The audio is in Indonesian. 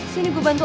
sini gue bantu